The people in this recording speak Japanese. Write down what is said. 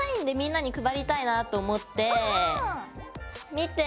見て。